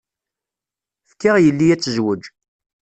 Fkiɣ yelli ad tezweǧ.